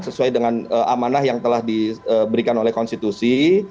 sesuai dengan amanah yang telah diberikan oleh konstitusi